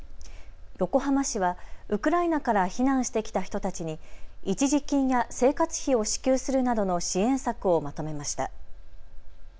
横浜市はウクライナから避難してきた人たちに一時金や生活費を支給するなどの支援策をまとめました。